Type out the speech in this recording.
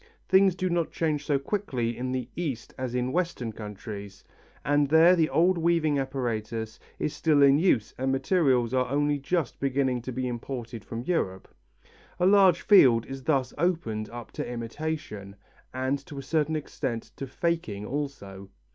Things do not change so quickly in the East as in Western countries, and there the old weaving apparatus is still in use and materials are only just beginning to be imported from Europe. A large field is thus opened up to imitation, and to a certain extent to faking also.